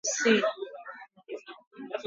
mahitaji ya siagi ni gram mia mbili hamsini